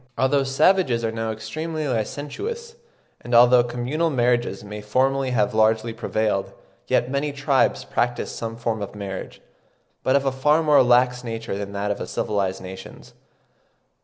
Although savages are now extremely licentious, and although communal marriages may formerly have largely prevailed, yet many tribes practise some form of marriage, but of a far more lax nature than that of civilised nations.